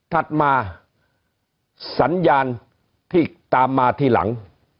ถัดมาสัญญาณที่ตามมาทีหลัง